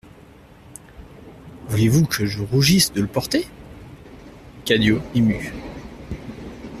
Voulez-vous que je rougisse de le porter ? CADIO, ému.